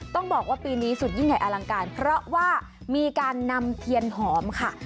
ต้องบอกว่าปีนี้สุดยิ่งใหญ่อลังการเพราะว่ามีการนำเทียนหอมค่ะ